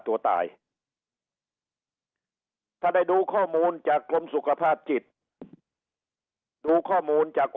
ตัวตายถ้าได้ดูข้อมูลจากกรมสุขภาพจิตดูข้อมูลจาก